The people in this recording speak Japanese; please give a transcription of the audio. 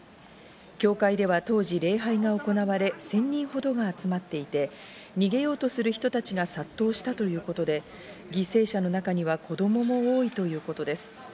教会では当時礼拝が行われ、１０００人ほどが集まっていて、逃げようとする人たちが殺到したということで、犠牲者の中には子供も多いということです。